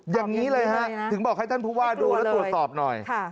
อย่างนี้เลยฮะถึงบอกให้ท่านผู้ว่าดูแล้วตรวจสอบหน่อย